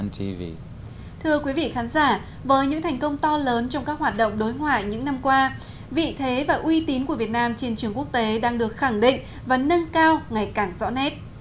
thưa quý vị khán giả với những thành công to lớn trong các hoạt động đối ngoại những năm qua vị thế và uy tín của việt nam trên trường quốc tế đang được khẳng định và nâng cao ngày càng rõ nét